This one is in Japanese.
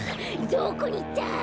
どこにいった！？